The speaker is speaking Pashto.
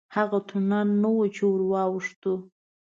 هغه تونل نه و چې ورواوښتو.